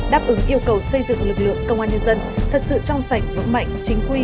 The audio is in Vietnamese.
đáp ứng yêu cầu xây dựng lực lượng công an nhân dân thật sự trong sạch vững mạnh